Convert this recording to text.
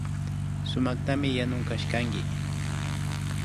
Sumaktami yanun kashkanki